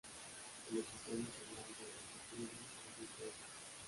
El episodio es señal del declive del viejo oeste.